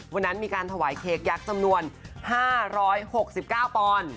วันนั้นมีการถวายเค้กยักษ์จำนวน๕๖๙ปอนด์